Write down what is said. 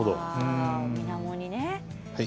みなもにね。